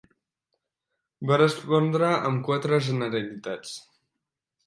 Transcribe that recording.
Va respondre amb quatre generalitats.